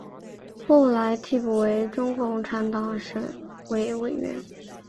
后来递补为中共广东省委委员。